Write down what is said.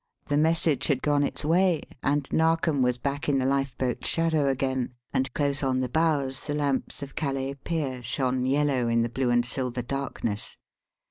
The message had gone its way and Narkom was back in the lifeboat's shadow again, and close on the bows the lamps of Calais pier shone yellow in the blue and silver darkness.